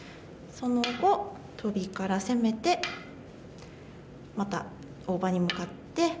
その後トビから攻めてまた大場に向かって。